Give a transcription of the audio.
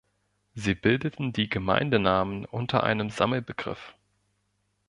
Sie bildeten die Gemeindenamen unter einem Sammelbegriff.